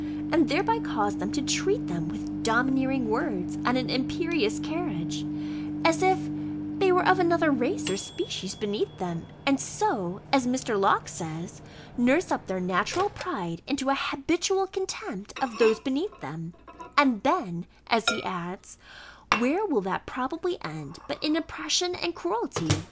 and thereby cause them to treat them with "domineering words, and an imperious carriage, as if they were of another race or species beneath them; and so," as Mr. Locke says, "nurse up their natural pride into an habitual contempt of those beneath them; and then," as he adds, "where will that probably end, but in oppression and cruelty?"